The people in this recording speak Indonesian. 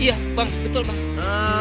iya bang betul bang